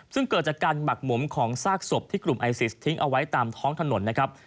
ซึ่งเกิดจากการหมักหมมของซากศพที่กลุ่มไอซิสทิ้งเอาไว้ตามท้องถนนนะครับ